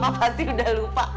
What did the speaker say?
papa pasti udah lupa